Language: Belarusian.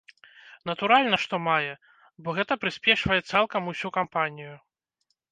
Натуральна, што мае, бо гэта прыспешвае цалкам усю кампанію.